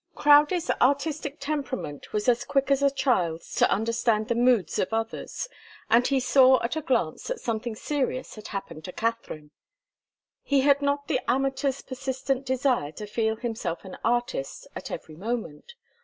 Crowdie's artistic temperament was as quick as a child's to understand the moods of others, and he saw at a glance that something serious had happened to Katharine. He had not the amateur's persistent desire to feel himself an artist at every moment.